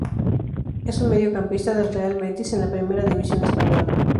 Es un mediocampista del Real Betis en la primera división española.